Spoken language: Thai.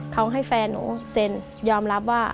เขาให้แฟนหนูเซ็นยอมรับว่า